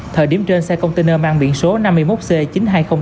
thời điểm trên xe container mang biển số năm mươi một c chín mươi hai nghìn tám mươi bảy